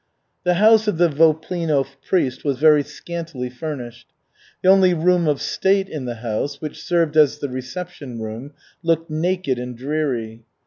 The house of the Voplino priest was very scantily furnished. The only room of state in the house, which served as the reception room, looked naked and dreary.